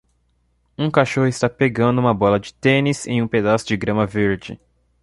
Um cachorro está pegando uma bola de tênis em um pedaço de grama verde.